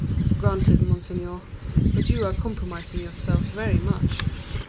"Granted, monseigneur; but you are compromising yourself very much."